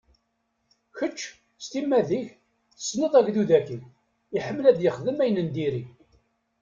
Kečč, s timmad-ik, tessneḍ agdud-agi, iḥemmel ad ixdem ayen n diri.